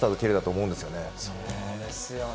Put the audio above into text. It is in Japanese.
そうですよね。